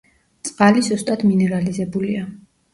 წყალი სუსტად მინერალიზებულია.